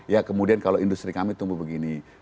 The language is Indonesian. ya kemudian kalau industri kami tumbuh begini